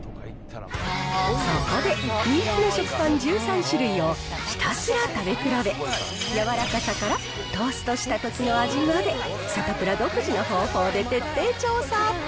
そこで、人気の食パン１３種類をひたすら食べ比べ、柔らかさから、トーストしたときの味まで、サタプラ独自の方法で徹底調査。